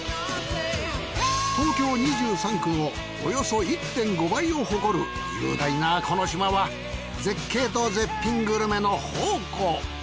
東京２３区のおよそ１．５倍を誇る雄大なこの島は絶景と絶品グルメの宝庫！